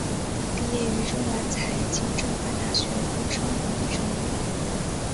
毕业于中南财经政法大学工商管理专业。